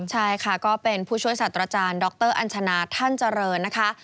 ใช่ค่ะก็เป็นผู้ช่วยศาสตราจารย์ดรอัญชนาท่านเจริญนะคะ